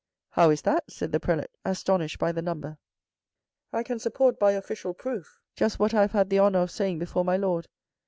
"How is that?" said the Prelate astonished by the number." " I can support by official proof just what I have had the honour of saying before my lord.